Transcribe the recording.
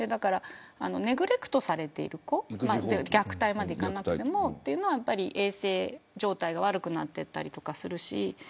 ネグレクトされている子虐待までいかなくてもそういう子は衛生状態が悪くなっていたりするし。